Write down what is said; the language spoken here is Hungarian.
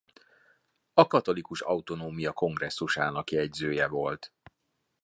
A katolikus autonómia kongresszusának jegyzője volt.